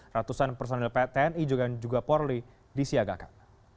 ratusan personel ptni juga dan juga porli disiagakan